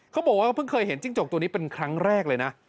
เขาบอกว่าเพิ่งเคยเห็นจิ้งจกตัวนี้เป็นครั้งแรกเลยนะ